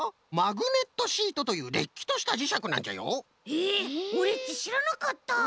へえオレっちしらなかった。